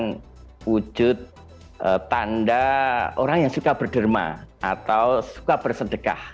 bukan wujud tanda orang yang suka berderma atau suka bersedekah